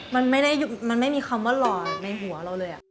มันไม่มีคำว่าหล่อในหัวเราเลย